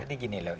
jadi gini loh